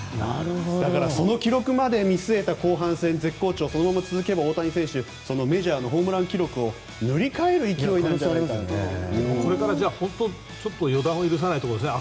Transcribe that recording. だから、その記録まで見据えた後半戦絶好調そのまま続けば、大谷選手はメジャーのホームラン記録を塗り替える勢いだと。これからちょっと本当に予断を許さないところですね。